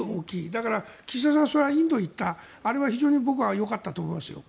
だから、岸田さんはインドに行ったあれは非常に僕はよかったと思いますよ。